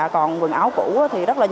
còn quần áo cũ thì rất là nhiều